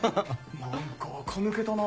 何かあか抜けたな。